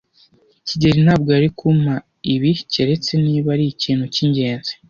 kigeli ntabwo yari kumpa ibi keretse niba ari ikintu cyingenzi.